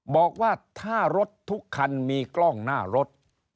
บอกว่าถ้ารถทุกคันมีกล้องหน้ารถ